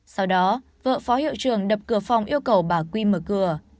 sau đó vợ phó hiệu trường đập cửa phòng yêu cầu bà quy mở cửa